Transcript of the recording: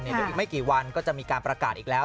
เดี๋ยวอีกไม่กี่วันก็จะมีการประกาศอีกแล้ว